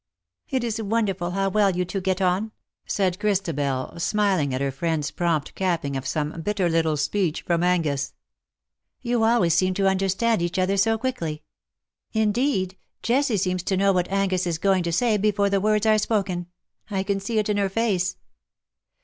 " It is wonderful how well you two get on/' said Christabel, smiling at her friend's prompt capping of some bitter little speech from Angus. '' You 168 IN SOCIETY. always seem to understand each other so quickly — indeed^ Jessie seems to know what Angus is going to say before the words are spoken. I can see it in her face.